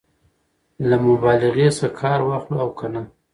له مبالغې څخه کار واخلو او که نه؟